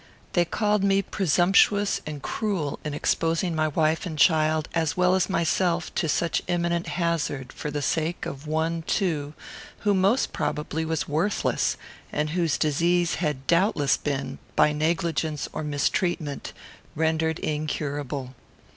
They called me presumptuous and cruel in exposing my wife and child, as well as myself, to such imminent hazard, for the sake of one, too, who most probably was worthless, and whose disease had doubtless been, by negligence or mistreatment, rendered incurable.